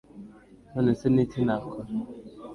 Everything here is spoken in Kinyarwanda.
None se niki nakora--